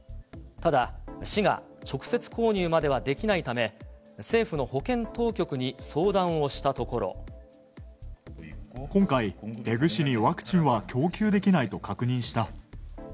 ただ、市が直接購入まではできないため、政府の保健当局に相談をしたとこ今回、テグ市にワクチンは供給できないと確認した。